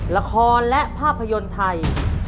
ละครและภาพยนตร์ไทย